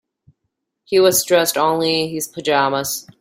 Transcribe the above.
He was dressed only in his pajamas.